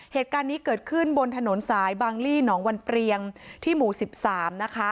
เหตุการณ์นี้เกิดขึ้นบนถนนสายบางลี่หนองวันเปรียงที่หมู่๑๓นะคะ